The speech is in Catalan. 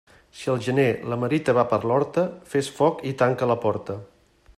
Si al gener, la merita va per l'horta, fes foc i tanca la porta.